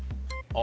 あ。